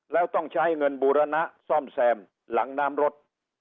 แล้วต้องใช้เงินบูรณะซ่อมแซมหลังน้ำรถ